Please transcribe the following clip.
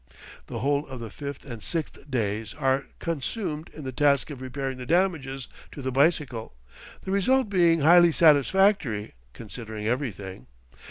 The whole of the fifth and sixth days are consumed in the task of repairing the damages to the bicycle, the result being highly satisfactory, considering everything.